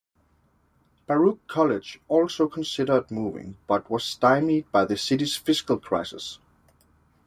Baruch College also considered moving but was stymied by the City's fiscal crisis.